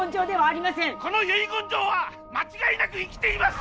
この遺言状は間違いなく生きています！